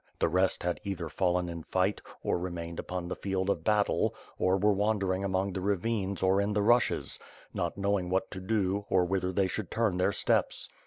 The rest had either fallen in fight, or remained upon the field of battle, or were wandering among the ra\ines or in the rushes; not knowing what to do, or whither they should turn their steps.